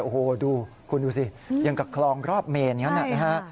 โอ้โหดูคุณดูสิอย่างกับคลองรอบเมนอย่างนั้นนะฮะ